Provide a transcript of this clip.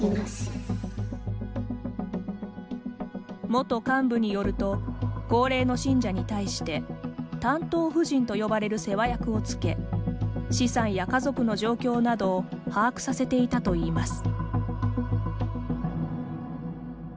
元幹部によると高齢の信者に対して担当婦人と呼ばれる世話役を付け資産や家族の状況などを把握させていたといいます。